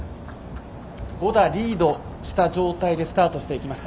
５打リードした状態でスタートしていきました。